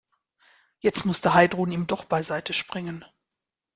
Jetzt musste Heidrun ihm doch beiseite springen.